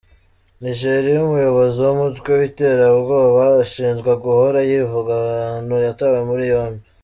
Nijeriya Umuyobozi w’ umutwe witera bwoba ushinjwa guhora yivuga abantu yatawe muri yombi